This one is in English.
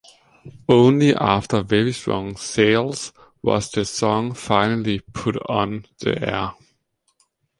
Only after very strong sales was the song finally put on the air.